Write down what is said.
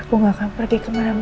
aku gak akan pergi kemana mana mas